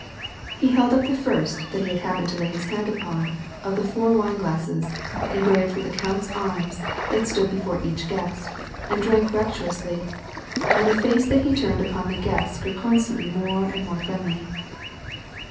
He held up the first that he happened to lay his hand upon of the four wineglasses, engraved with the count's arms, that stood before each guest, and drank rap turously, and the face that he turned upon the guests grew constantly more and more friendly.